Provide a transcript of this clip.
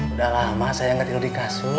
udah lama saya gak tidur dikasut